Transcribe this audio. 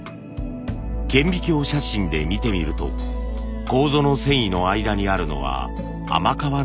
顕微鏡写真で見てみると楮の繊維の間にあるのは甘皮の細胞です。